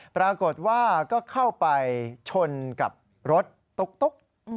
ปรากฏว่าก็เข้าไปชนกับรถตุ๊ก